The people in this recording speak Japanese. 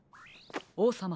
おうさま